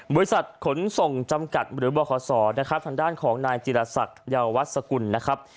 บริษัทขนส่งจำกัดหรือบริษัทของนายจิลศักดิ์เยาวัฒนสกุลนะครับ